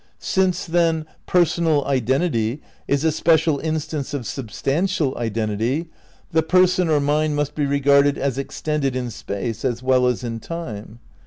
Since, then, "Personal identity is a special instance of substantial identity," the person or mind must be regarded as extended in space as well as in time.